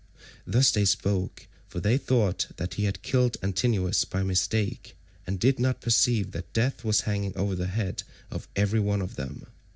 Thus they spoke, for they thought that he had killed Antinous by mistake, and did not perceive that death was hanging over the head of every one of them.